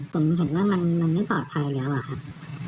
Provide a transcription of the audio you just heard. ผมเห็นว่ามันไม่ปลอดภัยแล้วอะครับ